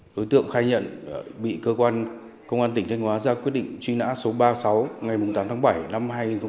đối tượng khai nhận bị công an tỉnh thanh hóa ra quyết định truy nã số ba mươi sáu ngày tám tháng bảy năm hai nghìn hai mươi